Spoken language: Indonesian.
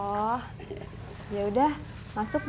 astaga gue udah deling uwu